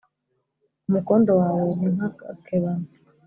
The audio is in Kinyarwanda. Umukondo wawe ni nk’agakebano